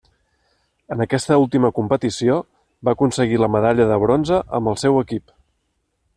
En aquesta última competició va aconseguir la medalla de bronze amb el seu equip.